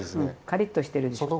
カリッとしてるでしょ？